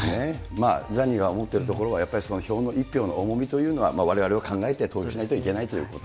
まあザニーが思っているところは、票の、一票の重みというのは、われわれも考えて投票しなきゃいけないということ。